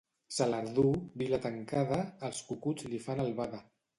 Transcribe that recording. Salardú, vila tancada, els cucuts li fan albada.